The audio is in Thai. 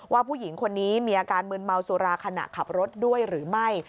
ผู้หญิงคนนี้มีอาการมืนเมาสุราขณะขับรถด้วยหรือไม่